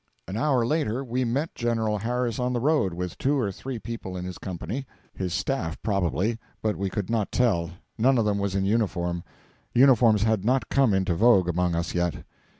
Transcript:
An hour later we met General Harris on the road, with two or three people in his company his staff, probably, but we could not tell; none of them was in uniform; uniforms had not come into vogue among us yet.